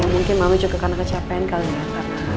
ya mungkin mama juga karena kecapean kali ya